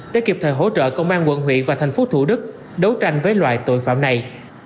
đã kịp thời hỗ trợ công an quận huyện và thành phố thủ đức đấu tranh với loại tội phạm này